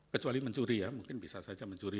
kecuali mencuri ya mungkin bisa saja mencuri